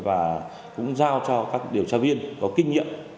và cũng giao cho các điều tra viên có kinh nghiệm